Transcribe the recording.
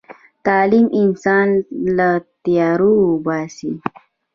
تعلیم انسان له تیارو وباسي.